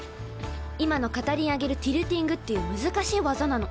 今の片輪上げるティルティングっていう難しい技なの。